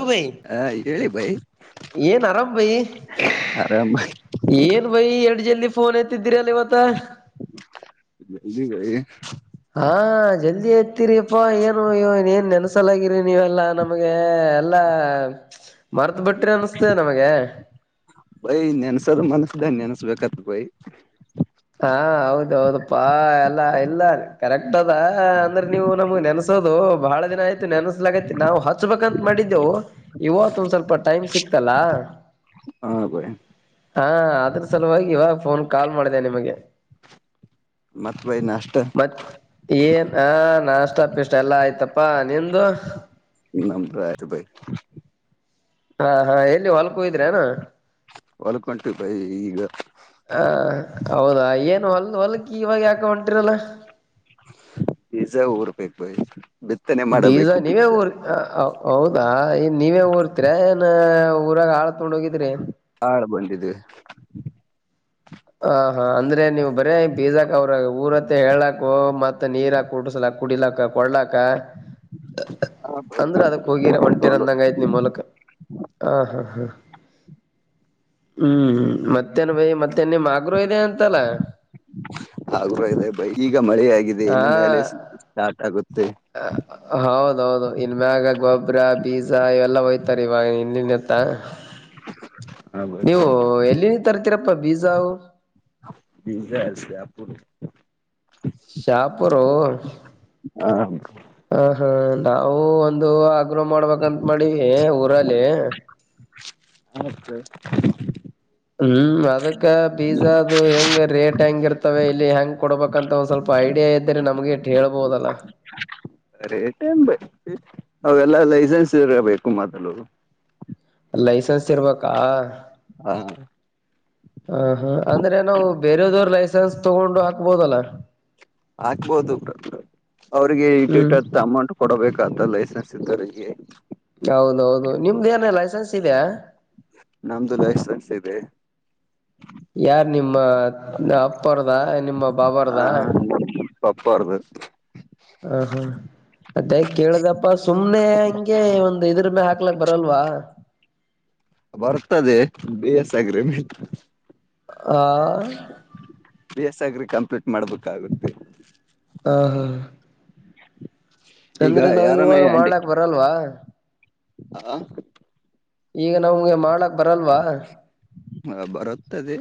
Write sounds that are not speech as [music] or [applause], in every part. ಹ ಭೈ ಹ ಇದ್ ಹೇಳಿ ಬೈ ಏನ್ ಆರಾಮ್ ಬೈ ಆರಾಮಾಗಿ ಏನ್ ಬೈ ಎರಡು ಜಲ್ದಿ ಫೋನ್ ಎತಿದ್ದೀರಲ್ಲ ಇವತ. ಜಲ್ದಿ ಬೈ ಎತ್ತೀರಿಪ್ಪಾ ಏನು ಇವನ್ ಏನ್ ನೆನ್ಸಲಾಗಿರಿ ನೀವೆಲ್ಲಾ ನಮಗೆ ಎಲ್ಲಾ ಮರ್ತ್ ಬಿಟ್ರ ಅನಸ್ತೇ ನಮಗೆ. ಬೈ ನೆನ್ಸದ ಮನಸ್ದ ನೆನ್ಸ್ಬೇಕತ್ತ್ ಬೈ. ಹಾ ಹೌದು ಹೌದಪ್ಪಾ ಎಲ್ಲ ಇಲ್ಲ ಕರೆಕ್ಟ್ ಅದ ಅಂದ್ರೆ ನೀವು ನಮಗ್ ನೆನ್ಸ ದು ದು ಬಹಳ ದಿನ ಆಯ್ ನೆನ್ಸಲಾಗೈತಿ ನಾವು ಹಚ್ಬೇಕಂತ ಮಾಡಿದ್ದೆವು ಇವತ್ತು ಒಂದ್ ಸ್ವಲ್ಪ ಟೈಮ್ ಸಿಕ್ತಲ್ಲಾ. ಹ ಬೈ ಹಾ ಅದ್ರ ಸಲುವಾಗಿ ಇವಾಗ್ ಫೋನ್ ಕಾಲ್ ಮಾಡಿದೆೆ ನಿಮಗೆ. ಮತ್ ಬೈ ನಾಷ್ಟ ಮತ್ ಏನ ಹ ನಾಷ್ಟ ಪೆಷ್ಟ ಎಲ್ಲಾ ಆಯ್ತಪ್ಪಾ ನಿಂದು. ನಮ್ [unintelligible] ಬೈ ಹಾ ಹಾ ಎಲ್ಲಿ ಹೊಲ್ಕೂ ಗಿದ್ರೆನಾ. ಹೊಲ್ಕೊಂಟು ಬೈ ಈಗ ಹಾ ಹೌದಾ [unintelligible] ಹೊಲ್ ಹೊಲ್ಕ ಇವಾಗ ಯಾಕೋ ಹೊಂಟಿರಲ್ಲ. ಬಿಜ ಊರ್ ಬೇಕ್ ಬೈ ಬಿತ್ತನೆ ಬೀಜ ಮಾಡಬೇಕು ನೀವೆ ಊರ್ ಹೌದಾ ನೀವೇ ಊರ್ತಿರ ಏನ್ ಊರಾಗ ಆಳ್ ತೊಗೊಂಡ್ ಹೋಗಿದ್ರಿ ಹಾಳ್ ಬಂದಿದ್ದ್ವಿ ಹ ಹಾ ಅಂದ್ರೆ ನೀವು ಬರೀ ಬೀಜಾಕ್ ಅವ್ರಾಗ ಊರತ್ತ ಹೇಳಾಕ್ ಮತ್ - ಮತ್ತ ನೀರ ಕುಡ್ರಸಲಾಕ ಕುಡಿಲಕ್ಕ ಕೊಡ್ಲಾಕ. ಅಂದ್ರ ಅದಕ್ ಹೋಗಿರ ಹೊಂಟೆರ ತಗೊಂಡು ಅಂದಂಗ ಆಯ್ತ್ ನಿ ಮೂಲಕ ಹ ಹಾ ಹ್ಮ್ ಹ್ಮೂ ಮತ್ತೆನ್ ಬೈ ಮತ್ ತೆ ಮಾಗ್ರು ಇದೆ ಅಂತಲ್ಲ. [unintelligible] ಈಗ ಮಳೆ ಆಗಿದೆ ಹಾ ಇನ್ನು ಮೇಲೆ ಸ್ಟಾರ್ಟ್ ಆಗುತ್ತೆ. ಹೌ ಹೌದು ಇನ್ ಮ್ಯಾಗ ಗೊಬ್ಬ್ರ ಬೀಜ ಇವೆಲ್ಲ ಹೋಯ್ತಾರೆ ಇವಾಗ ಇನ್ [unintelligible] ಹ ಬೈ ನೀವು ಎಲ್ಲಿಂದ್ ತರ್ತೀರಪ್ಪ ಬೀಜಾವು. ಬೀಜ [inaudible] ಶಾಪುರೋ ಆ ಹಾ ನಾವು ಒಂದು ಆಗ್ರೋ ಮಾಡ್ಬೇಕಂ ತ್ ಮಾಡವಿ ಊರಲ್ಲಿ. [unintelligible] ಹ್ಮ್ ಅದಕ್ಕ ಬೀಜ ಅದು ಹೆಂಗ ರೇಟ್ ಹೆಂಗ ಇರ್ತವೆ ಇಲ್ಲಿ ಹೆಂಗ್ ಕೊಡ್ಬೇಕಂತ ಒಂದ್ ಸ್ವಲ್ಪ ಐ ಐಡಿಯಾ ಇದ್ದೆ ನಮ್ಗೆ ಹೇಳ್ಬೋದಲ್ಲ. ರೇಟನ್ ಬೈ ಅವೆಲ್ಲ ಲೈಸೆನ್ಸ್ ಇರ ಬೇಕು ಮಾದ್ಲು. ಲೈಸೆನ್ಸ್ ಇರ್ಬೇಕಾ ಹಾ ಹ ಹಾ ಅಂದ್ರೆ ನಾವು ಬೇರೆಯದವ್ರ ಲೈಸೆನ್ಸ್ ತಗೊಂಡು ಹಾಕ್ಬೋದಲ್ಲ ಆಗ್ಬೋದು ಅವ್ರಿಗೆ ಹ್ಮ್ ಇಟ್ಟಿಟ್ಟತ್ ಅಮೌಂಟ್ ಕೊಡಬೇಕಂತಲ್ಲ ಸಗೆ ಹೌದೌದು ನಿಮ್ದ ಏನ ಲೈಸೆನ್ಸ್ ಇದೆಯಾ ನಮ್ದು ಲಷ್ಟ ಜತ ಇದೆ ಯಾರ್ ನಿಮ್ಮ ಅಪ್ಪರ್ದ ನಿಮ್ಮ ಬಾಬಾರದಾ ಸ ಹ ಹಾ ಮತ್ತೆ ಕೇಳ್ದಪ್ಪ ಸುಮ್ನೆ ಹಂಗೆ ಒಂದು್ ಇದ್ರ ಮೇ ಹಾಕ್ಲಕ್ ಬರಲ್ವಾ ಬರ್ತದೆ ಬೇ ಎಸ್ಗ್ರೆ ಆ ಬಿ ಎಸ್ ಆಗ್ರಿ ಕಂಪ್ಲೀಟ್ ಮಾಡ್ಬೇಕಾಗುತ್ತೆ ಹಾ ಹಾ ಈಗ ಅಂದ್ರೆ ನಾವ್ ಯಾರಾನ ಇವಾಗ ಆಂಟಿ ಮಾಡ್ಲಕ್ ಬರಲ್ವಾ ಆ ಈಗ ನಮ್ಗೆ ಮಾಡಕ್ ಹ ಬರುತ್ತದೆ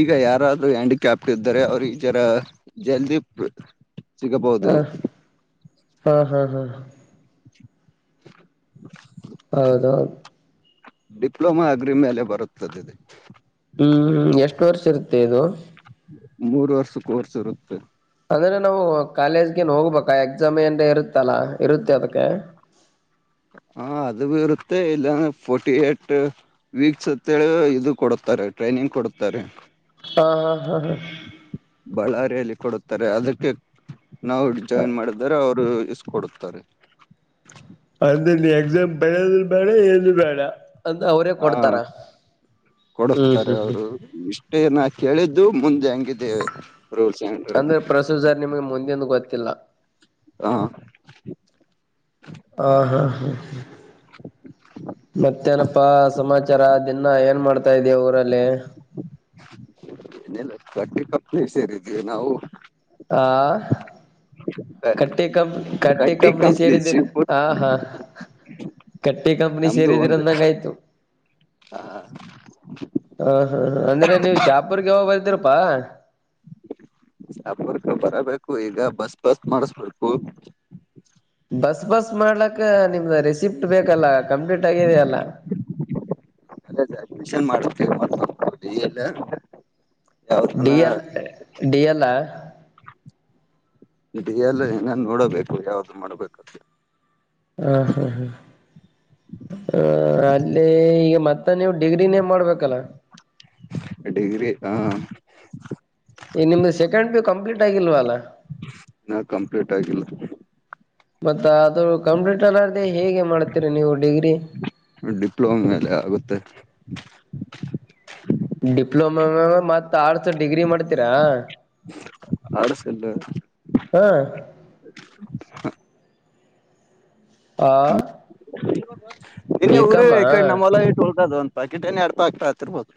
ಈಗ ಯಾರಾದ್ರೂ ಹ್ಯಾಂಡಿಕ್ಯಾಪ್ಟ ಇದ್ದಾರೆ ಅವರು ಈ ಜರ ಜಲ್ದಿ ಸಿಗಬಹುದು ಹ ಹಾ ಹಾ ಹಾ ಹೌದಾ ಡಿಪ್ಲೊಮಾ ಅಗ್ರಿ ಮೇಲೆ ಬರುತ್ತದೆ ಇದೆ ಹ್ಮ್ ಎಷ್ಟು ವರ್ಷ ಇರುತ್ತೆ ಇದು ಮೂರು ವರ್ಷಕ್ಕೆೋರ್ಸ್ ಇರುತ್ತೆ ಅಂದ್ರೆ ನಾವು ಕಾಲೇಜ್ಗನ್ ಹೋಗ್ಬೇಕಾ ಎಕ್ಸಾಮ್ ಏನ್ ಇರುತ್ತಲ್ಲಾ ಇರುತ್ತೆ ಅದಕ್ಕೆ ಹ ಅದು ಬಿ ಇರುತ್ತೆ ಇಲ್ಲಂದ ಫೋರ್ಟಿ ಏಟ್ ವೀಕ್ಸ್ ಅಂತೇಳಿ ಇದು ಕೊಡುತ್ತೆ ಟ್ರೈನಿಂಗ್ ಕೊಡುತ್ತಾರೆ ಹಾ ಹಾ ಹಾ ಹಾ ಬಳ್ಳಾರಿಯಲ್ಲಿ ಕೊಡುತ್ತಾರೆ ಅದಕ್ಕೆ ನಾವು ಜಾಯಿನ್ ಮಾಡಿದರೆ ಅವರು ಕೊಡುತ್ತಾರೆ ಅಂದ್ರೆ ನೀ ಎಕ್ಸಾಮ್ ಬರದ್ೂ ಬೇಡ ಏನ್ೂ ಬೇಡ ಅಂತ ಅವರೇ ಹಾ ಕೊಡ್ತಾರ ಹ್ಮ್ ಕೊಡಸ್ತಾರೆ ಹ್ಮ್ ಹ್ಮ್ ಅವರು ಇಷ್ಟೇನ ಕೇಳಿದ್ದು ಮುಂದೆ ಹಂಗಿದ್ದೇವೆ ಅಂದ್ರೆ ಪ್ರಸೂತ್ ಸರ್ ನಿಮ್ಗೆ ಮುಂದೆಿಂದ ಗೊತ್ತಿಲ್ಲ ಹ ಹಾ ಹಾ ಹಾ ಹಾ ಮತ್ತೇನಪ್ಪಾ ಸಮಾಚಾರ ದಿಿನ ಏನ್ ಮಾಡ್ತಾ ಇದೀ ಊರಲ್ಲಿ ಏಲ್ಲ ಕಟ್ಟಿ ಕಪ್ನ ಸೇರಿದ್ವಿ ನಾವು ಹಾ ಕಟ್ಟಿ ಕಂಪ್ನಿ ಕಟ್ಟಿ ಕಂಪ್ನಿ ಸೇರಿದ್ದೀ ಹ ಹಾ ಕಟ್ಟೆ ಕಂಪನಿ ಸೇರಿದೀರ ಅಂದಂಗ ಆಯ್ತು ಹಾ ಹಾ ಹಾ ಅಂದ್ರೆ ನೀವು ಶಾಪುರ್ಗೆ ಯಾವಾಗ ಬರ್ತೀರಪ್ಪಾ ಶಾಪುರ್ಕ ಬರಬೇಕು ಈಗ ಬಸ್ ಬಸ್ ಮಾಡಸ್ಬೇಕು ಬಸ್ ಬಸ್ ಮಾಡ್ಲಕ್ಕ ನಿಮ್ದು ರೆಸಿಪ್ಟ್ ಬೇಕಲ್ಲ ಕಂಪ್ಲೀಟ್ ಆಗಿದೆಯಲ್ಲ ಅದೆ ಅಡ್ಮಿಷನ್ ಮಾಡತೇವೆ ಮ ಎಲ್ಲ ಯಾವ್ದನ ಡಿ ಎಲ್ ಡಿ ಎಲ್ ಆ ಇಟ್ ಎಲ್ಲ ಏನ ನೋಡಬೇಕು ಯಾವ್ದು ಮಾಡ್ಬೇಕಂತ ಹ ಹಾ ಹಾ ಹ ಅಲ್ಲೇ ಈಗ ಮತ್ತೆ ಮತ್ತ ನೀವು್ ಡಿಗ್ರಿನೇ ಮಾಡ್ಬೇಕಲ್ಲ ಹಾ ಈ ನಿಮ್ದು ಸೆಕೆಂಡ್ ಪಿ ಯು ಕಂಪ್ಲೀಟ್ ಆಗಿಲ್ವಲ್ಲಾ. ಇನ್ನ ಕಂಪ್ಲೀಟ್ ಆಗಿಲ್ಲ. ಮತ್ತ ಅದು ಕಂಪ್ಲೀಟ್ [unintelligible] ಹೇಗೆ ಮಾಡ್ತೀರಿ ನೀವು ಡಿಗ್ರಿ. ಡಿಪ್ಲೊಮ ಮೇಲೆ ಆಗುತ್ತೆ. ಡಿಪ್ಲೊಮ [unintelligible] ಮತ್ತ ಆರ್ಟ್ಸ್ ಡಿಗ್ರಿ ಮಾಡ್ತೀರಾ. ಹಾ [unintelligible] ಆ ನಿನ್ನೆ ಬಿ ಊರಿವಿ ಕಾಮಾ ಇಕಡಿ ನಮ್ಮೊಲ ಇಟ್ಟು. [unintelligible] [unintelligible] ಏನ ಎಡ್ಪ ಆಕ್ತಾ ಹತಿರ್ಬೋದು.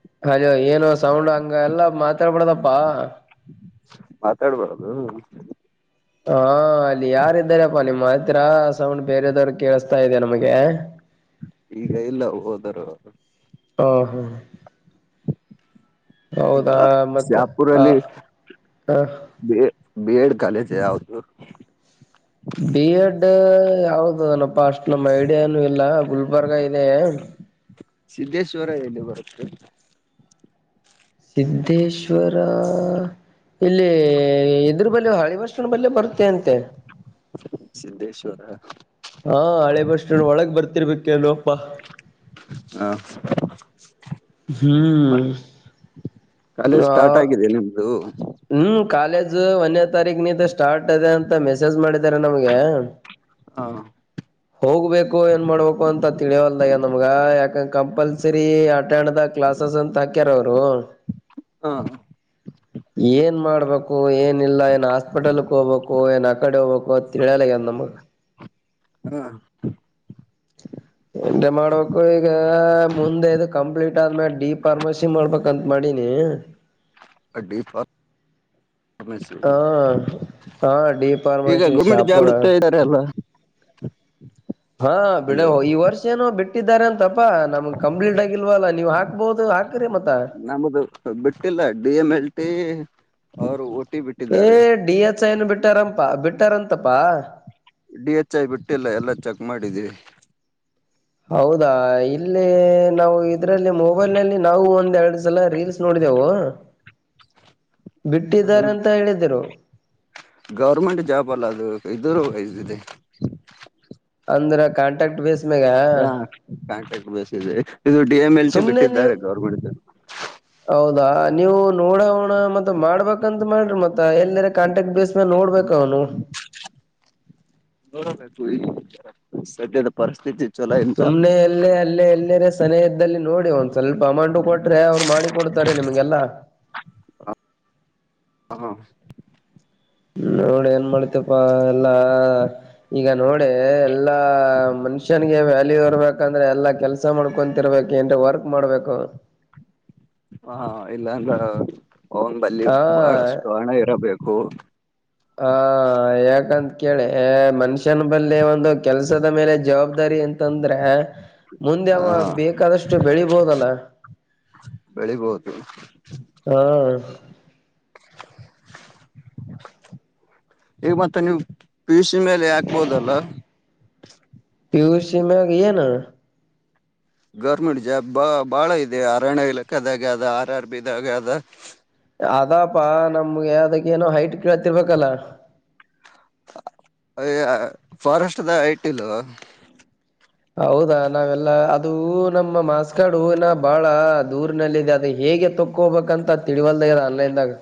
[unintelligible] ಏನು ಸೌಂಡ್ ಹಂಗ ಎಲ್ಲಾ ಮಾತಾಡ್ಬಡದಪ್ಪಾ. ಮಾತಾಡ್ಬಾರದು. ಹಾ ಅಲ್ಲಿ ಯಾರ ಇದ್ದಾರಪ್ಪ [unintelligible] [unintelligible] ಸೌಂಡ್ ಬೇರೆದವ್ರ ಕೇಳಿಸತಾ ಇದೆ ನಮಗೆ. ಈಗ ಇಲ್ಲ ಹೋದರು. [unintelligible] ಈಗ ಹೌದಾ ಮತ್ತೆ ಆ ಶ್ಯಾಪುರಲ್ಲಿ ಹ ಬಿ ಬಿ ಎಡ್ ಕಾಲೇಜ್ ಯಾವುದು [unintelligible] ಬಿ ಎಡ್ ಯಾವದು ಅನಪ್ಪಾ ಅಷ್ಟ್ ನಮ್ಮ್ ಐಡಿಯಾನು ಇಲ್ಲ ಗುಲ್ಬರ್ಗಾ ಇದೆ. ಸಿದ್ದೇಶ್ವರ ಎಲ್ಲಿ ಬರುತ್ತೆ. ಸಿದ್ಧೇಶ್ವರಾ ಇಲ್ಲಿ ಇದ್ರ ಬಲ್ಲಿ [unintelligible] ಬಸ್ಸ್ಟ್ಯಾಂಡ್ ಬಲ್ಲಿ ಬರುತ್ತೆ ಅಂತೆ. ಸಿದ್ದೇಶ್ವರ ಹಾ ಹಳೆ ಬಸ್ ಒಳಗ್ ಬರ್ತಿರ್ಬೇಕ [unintelligible] ಹಾ [unintelligible] [unintelligible] ಹ್ಮ್ ಕಾಲೇಜ್ ಆ ಸ್ಟಾರ್ಟ್ ಆಗಿದೆ ನಿಮ್ದು. ಹ್ಮ್ ಕಾಲೇಜ್ ಒಂದನೆ ತಾರೀಕ್ ನಿಂದ ಸ್ಟಾರ್ಟ್ ಅದೆ ಅಂತ ಮೆಸೇಜ್ ಮಾಡಿದ್ [unintelligible] ನಮ್ಗೆ ಹ ಹೋಗ್ಬೇಕು ಏನ್ ಮಾಡ್ಬೇಕು ಅಂತ ತಿಳಿಯವಲ್ದಯ ನಮ್ಗ ಯಾಕಂದ ಕಂಪಲ್ಸರಿ ಅಟೆಂಡ್ [unintelligible] ಕ್ಲಾಸ್ ಅಂತ ಹಾಕ್ಯಾರ ಅವರು. ಹಾ ಏನ್ ಮಾಡ್ಬೇಕು ಏನ ಇಲ್ಲ [unintelligible] ಹಾಸ್ಪಿಟಲ್ಕ್ ಹೋಗ್ಬೇಕು ಏನ್ ಆ ಕಡೆ ಹೋಗ್ಬೇಕು [unintelligible] [unintelligible] ಹಾ [unintelligible] ಮಾಡ್ಬೇಕು ಈಗ ಮುಂದೆ ಇದು ಕಂಪ್ಲೀಟ್ ಆದ್ಮೇಲೆ ಡಿ ಫಾರ್ಮಸಿ ಮಾಡ್ಬೇಕ [unintelligible] [unintelligible] ಡಿ ಫಾರ್ಮ ಹಾ [unintelligible] ಹಾ ಡಿ [unintelligible] ಈಗ ಫಾರ್ಮಸಿ ಗೌರ್ಮೆಂಟ್ ಜಾಬ್ ಶಾಪುರ ಹುಡುಕ್ತಾ ಇದ್ದಾರೆ ಅಲ್ಲ. [unintelligible] ಹಾ ಬಿಡು ಹಲೋ ಈ ವರ್ಷ ಏನೋ ಬಿಟ್ಟಿದ್ದಾರೆ ಅಂತಪ್ ಪ್ಪಾ ನಮ್ಗ್ ಕಂಪ್ಲೀಟ್ ಆಗಿಲ್ವಲ್ಲ ನೀವ್ ಹಾಕ್ಬೋದು ಹಾಕ್ರಿ [unintelligible] ಮತ್ತ. ನಮದು ಬಿಟ್ಟಿಲ್ಲ ಡಿ ಎಂ ಎಲ್ ಟಿ ಅವರು ಟಿ ಏ ಬಿಟ್ಟಿದ್ದಾರೆ ಡಿ ಎಚ್ ಐನ್ ಬಿಟ್ಟಾರಪಾ ಬಿಟ್ಟಾರಂತಪ್ಪಾ. ಡಿ ಎಚ್ ಐ ಬಿಟ್ಟಿಲ್ಲ ಎಲ್ಲ ಚೆಕ್ ಮಾಡಿದೀವಿ. ಹೌದಾ ಇಲ್ಲಿ ನಾವು ಇದ್ರಲ್ಲಿ ಮೊಬೈಲ್ ನಲ್ಲಿ ನಾವು ಒಂದ್ ಎರಡ್ [unintelligible] ರೀಲ್ಸ್ ನೋಡಿದೆೆವು ಬಿಟ್ಟಿದ್ದಾರೆ ಅಂತ ಹೇಳಿದ್ದಿರು. ಗೌರ್ಮೆಂಟ್ ಜಾಬ್ ಅಲ್ಲ ಅದು [unintelligible] ಅಂದ್ರ ಕಾಟಾಕ್ಟ್ ಬೇಸ್ ಮ್ಯಾಗ ಹಾ ಕಾಂಟಾಕ್ಟ್ ಬೇಸ್ ಇದು ಡಿ ಎಂ ಎಲ್ ಟಿ ಸುಮ್ನೆ ನೀವು ಬಿಟ್ಟಿದ್ದಾರೆ ಗೌರ್ಮೆಂಟ್. [unintelligible] ಹೌದಾ ನೀವು ನೋಡೋಣ [unintelligible] ಮಾಡ್ಬೇಕ್ ಕಂತ ಮಾಡ್ರಿ ಮತ್ತ ಎಲ್ಲರೆ ಕಾಂಟಾಕ್ಟ್ ಬೇಸ್ ಮೇಲ್ ನೋಡ್ಬೇಕ ಅವನು. [unintelligible] ಸದ್ಯದ ಪರಿಸ್ಥಿತಿ ಚಲೋ ಇಲ್ಲ ಸುಮ್ನೆ ಅಲ್ಲೇ ಅಲ್ಲೇ ಎಲ್ಲಿರ ಸನೆ ಇದ್ದಲ್ಲಿ ನೋಡಿ ಒಂದ್ ಸ್ವಲ್ಪ ಅಮೌಂಟ್ ಕೊಟ್ರೆ ಅವ್ರು ಮಾಡಿ ಕೊಡ್ತಾರೆ ನಿಮ್ಗೆಲ್ಲ. [inaudible] ಹಾ ನೋಡ್ ಏನ್ ಮಾಡ್ತಿಯಪ್ಪಾ ಎಲ್ಲಾ ಈಗ ನೋಡೇ ಎಲ್ಲಾ. ಮನುಷ್ಯಂಗೆ ವ್ಯಾಲ್ಯೂ ಇರ್ಬೇಕಂದ್ರೆ ಎಲ್ಲಾ ಕೆಲ್ಸ ಮಾಡ್ಕೊಂತಿರ್ಬೇಕ್ ಏನ್ರ ವರ್ಕ್ ಮಾಡ್ಬೇಕು. [inaudible] ಹಾ ಇಲ್ಲಾಂದ್ರ ಅವಂಬಲ್ಲಿ ಹ ಬಹಳಷ್ಟು ಹಣ ಇರಬೇಕು. ಕೇಳೇ ಮನುಷ್ಯನ ಬಲ್ಲಿ ಒಂದು ಕೆಲ್ಸದ ಮೇಲೆ ಜವಾಬ್ದಾರಿ ಅಂತಂದ್ರೆ. ಮುಂದೆ ಹ ಅವ ಬೇಕಾದಷ್ಟು ಬೆಳಿಬೋದಲ್ಲ. ಬೆಳಿಬಹುದು ಹಾ. [inaudible] ಈಗ ಮತ್ತೆ ನೀವು ಪಿ ಯೂ ಸಿ ಮೇಲೆ ಹಾಕ್ಬೋದಲ್ಲ. ಪಿ ಯೂ ಸಿ ಮ್ಯಾಗ್ ಏನ. ಗೌರ್ಮೆಂಟ್ ಜಾಬ್ ಬ ಬಾಳ ಇದೆ ಅರಣ್ಯ ಇಲಾಖಾದಾಗ ಅದ ಆರ್ ಆರ್ಬಿದಾಗ ಅದ. ಅದಪಾ ನಮ್ಗೆ ಅದಕ್ಕೆನೋ ಹೈಟ್ ಕೇಳ್ತಿರ್ಬೇಕಲ್ಲ. [unintelligible] ಫಾರೆಸ್ಟದ [unintelligible] ಹೌದಾ ನಾವೆಲ್ಲಾ ಅದು ನಮ್ಮ ಮಾರ್ಕ್ಸ್ ಕಾರ್ಡು ಇನ್ನ ಬಾಳ ದೂರ್ನಲ್ಲಿದೆ ಅದು ಹೇ ಹೇಗೆ ತಕ್ಕೊ ಹೋಬೇಕಂತ ತಿಳಿವಲ್ದ ಆನ್ಲೈನ್ದಾಗ.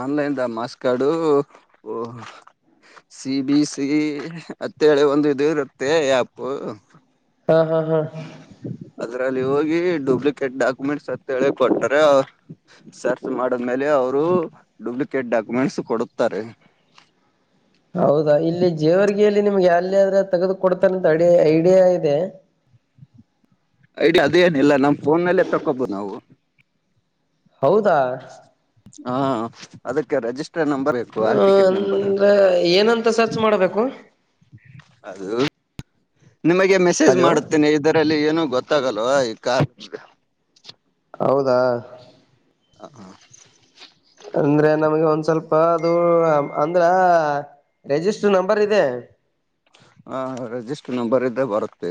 ಆನ್ಲೈನ್ದ marks card. C B C ಅತ್ತೇಳೆ ಒಂದು ಇದು ರೂಪೇ ಯಾಪು. ಹಾ ಹಾ ಹಾ. ಅದ್ರಲ್ಲಿ ಹೋಗಿ ಡೂಪ್ಲಿಕೇಟ್ ಡಾಕ್ಯುಮೆಂಟ್ಸ್ ಅತ್ ಹೇಳಿ ಕೊಡ್ತಾರೆ ಅವ್ರ್ ಸರ್ಚ್ ಮಾಡದ್ಮೇಲೆ. ಅವ್ರು ಡೂಪ್ಲಿಕೇಟ್ ಡಾಕ್ಯುಮೆಂಟ್ಸ್ ಕೊಡುತ್ತಾರೆ. [inaudible] ಹೌದಾ ಇಲ್ಲಿ ಜೇವರ್ಗಿಯಲ್ಲಿ ನಿಮ್ಗೆ ಎಲ್ಲಿಯಾದ್ರೂ ತೆಗೆದು ಕೊಡ್ತಾರಂತ ಐಡಿಯಾ ಇದೆ. [inaudible] ಐಡಿಯಾ ಅದೇನಿಲ್ಲ ನಮ್ ಫೋನಲ್ಲೇ ತಕ್ಕೊಬಹುದು ನಾವು. ಹೌದಾ. ಹಾ ಅದಕ್ಕೆ ರೆಜಿಸ್ ನಂಬರ್ [unintelligible] ಹ ಹಾಲ್ ಟಿಕೆಟ್ ನಂಬರ್. ಅಂದ್ರೆ ಏನಂತ ಸರ್ಚ್ ಮಾಡಬೇಕು ಅದು ನಿಮಗೆ ಮೆಸೇಜ್ ಹಲೋ ಮಾಡುತ್ತೇನೆ ಇದರಲ್ಲಿ ಏನು ಗೊತ್ತಾಗಲ್ವಾ ಈ ಕಾರ್ ಹೌದಾ. ಹ ಹಾ. ಅಂದ್ರೆ ನಮ್ಗೆ ಒಂದ್ ಸ್ವಲ್ಪ ಅದು ಅಂದ್ರ. ರಿಜಿಸ್ಟರ್ ನಂಬರ್ ಇದೆ. ಹಾ ರಿಜಿಸ್ಟರ್ ನಂಬರ್ ಇದ್ದ ಬರುತ್ತೆ.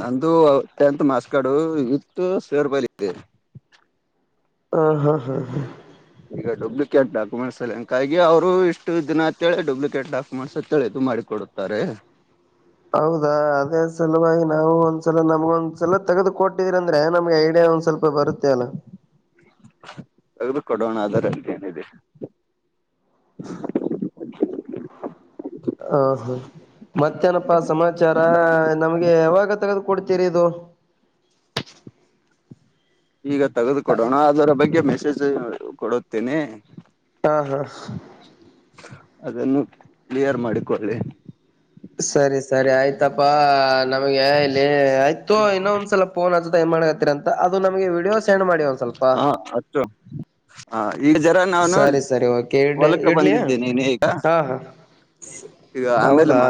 ನಂದು ಟೆಂತ್ ಮಾರ್ಕ್ಸ್ ಕಾರ್ಡ್ ಇತ್ತು [unintelligible] ಹಾ ಹಾ ಹಾ ಹಾ. ಈಗ ಡುಪ್ಲಿಕೇಟ್ ಡಾಕ್ಯುಮೆಂಟ್ಸಲ್ಲಿ ಹಂಗಾಗಿ ಅವರು ಇಷ್ಟು ದಿನ ಅಂತೇಳ ಡುಪ್ಲಿಕೇಟ್ ಡಾಕ್ಯುಮೆಂಟ್ಸ್ ಅಂತೇಳಿ ಇದು ಮಾಡಿ ಕೊಡ್ [unintelligible] ಹೌದಾ ಅದೇ ಸಲುವಾಗಿ ನಾವು ಒಂದ್ಸಲ ನಮ್ಗ್ ಒಂದ್ಸಲ ತೆಗೆದು ಕೊಟ್ಟಿದೀರಂದ್ರೆ ನಮಗ್ ಐಡಿಯಾ ಒಂದ್ ಸ್ವಲ್ಪ ಬರುತ್ತೆ ಅಲ್ಲ. ತೆಗೆದು ಕೊಡೋಣ ಅದರಲ್ಲೇನಿದೆ. ಹೌದು. ಮತ್ತೇನಪ್ಪಾ ಸಮಾಚಾರ ನಮ್ಗೆ ಯಾವಾಗ ತೆಗೆದು ಕೊಡ್ತೀರಿ ಇದು. [inaudible] ಈಗ ತೆಗೆದುಕೊಡೋಣ ಅದರ ಬಗ್ಗೆ ಮೆಸೇಜ್ ಕೊಡುತ್ತೇನೆ ಹಾ ಹಾ ಅದನ್ನು ಕ್ಲಿಯರ್ ಮಾಡಿಕೊಳ್ಳಿ ಸರಿ ಸರಿ ಆಯ್ತಪ್ಪಾ ನಮ್ಗೆ ಇಲ್ಲಿ ಆಯ್ತೋ ಇನ್ನೊ ಒಂದ್ಸಲ ಫೋನ್ ಹಚ್ಚ ಏನ್ ಮಾಡಕತ್ತೀರ ಅಂತ ಅದು ನಮ್ಗೆ ವಿಡಿಯೋ ಸೆಂಡ್ ಮಾಡಿ ಒಂದ ಸ್ವಲ್ಪ ಹ ಅಷ್ಟು ಹ ಈಗ ಜರ ನಾನು ಸರಿ ಸರಿ ಓಕೆ ಇಡ್ಲಿ ಹೊಲಕ್ಕೆ ಇಡ್ಲೀ ಬಂದಿದ್ದೇನೆ ಈಗ ಹಾ ಹಾ ಈಗ ಹೌದಾ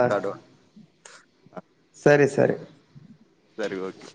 ಹ ಸರಿ ಸರಿ ಸರಿ ಓಕೆ